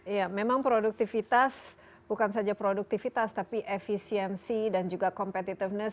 iya memang produktivitas bukan saja produktivitas tapi efisiensi dan juga competitiveness